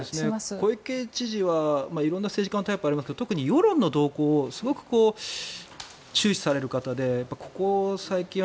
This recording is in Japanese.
小池知事は色んな政治家のタイプがありますが特に世論の動向をすごく注視される方でここ最近は